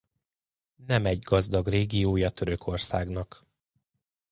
Nem egy gazdag régiója Törökországnak.